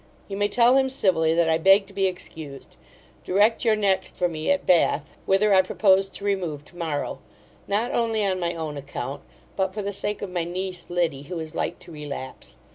You may tell him civilly, that I beg to be excused. Direct your next for me at Bath, whither I propose to remove to morrow; not only on my own account, but for the sake of my niece, Liddy, who is like to relapse.